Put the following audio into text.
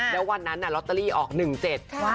แล้ววันนั้นลอตเตอรี่ออกหนึ่งเจ็ด